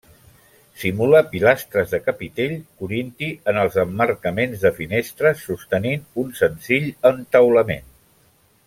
Simula pilastres de capitell corinti en els emmarcaments de finestres, sostenint un senzill entaulament.